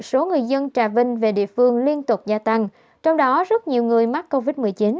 số người dân trà vinh về địa phương liên tục gia tăng trong đó rất nhiều người mắc covid một mươi chín